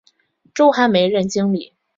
周寒梅任经理。